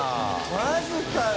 マジかよ。